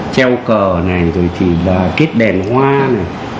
treo cờ này rồi thì kết đèn hoa này